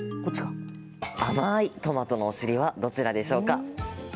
甘いトマトのお尻はどちらでしょうか？